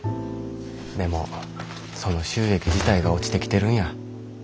でもその収益自体が落ちてきてるんや。